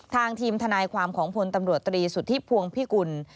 ทางทีมทนายความของพลตำรวจตรีสุทธิพวงพิกุล